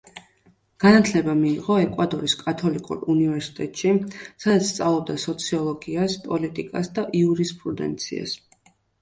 განათლება მიიღო ეკვადორის კათოლიკურ უნივერსიტეტში, სადაც სწავლობდა სოციოლოგიას, პოლიტიკას და იურისპრუდენციას.